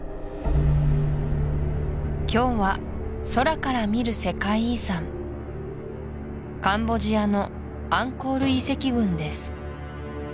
今日は空から見る世界遺産カンボジアのアンコール遺跡群です